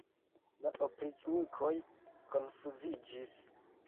La opriĉnikoj konfuziĝis.